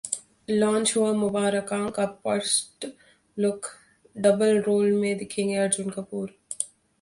launch हुआ 'मुबारकां' का first look, double role में दिखेंगे अर्जुन कपूर